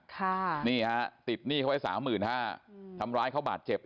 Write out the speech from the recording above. ค่ะนี่ฮะติดหนี้เขาไว้สามหมื่นห้าทำร้ายเขาบาดเจ็บ